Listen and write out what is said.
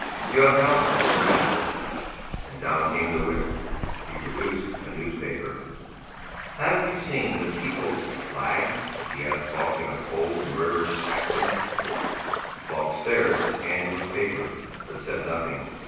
"Your health, old rascal!" And down came the whip. He produced a newspaper. "Have you seen the People's Flag?" he asked Falk in cold murderous accents. Falk stared at the scandalous paper but said nothing.